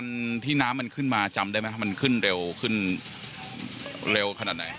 ที่น้ำมันขึ้นมาจำได้ไหมมันขึ้นเร็วขึ้นเร็วขนาดไหน